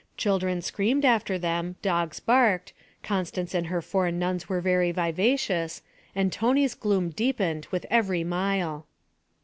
Children screamed after them, dogs barked, Constance and her four nuns were very vivacious, and Tony's gloom deepened with every mile.